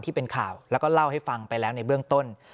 ที่เป็นข่าวแล้วก็เล่าให้ฟังไปแล้วในเบื้องต้น